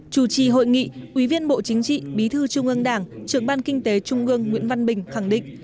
chủ trì hội nghị quý viên bộ chính trị bí thư trung ương đảng trưởng ban kinh tế trung ương nguyễn văn bình khẳng định